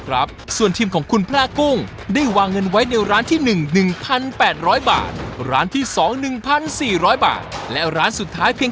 แล้วปกติจะเรียนที่สายไหนกินแบบทุกสายไหม